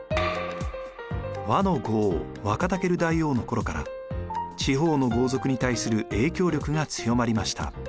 倭の五王ワカタケル大王の頃から地方の豪族に対する影響力が強まりました。